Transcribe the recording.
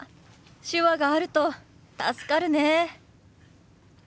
手話があると助かるね。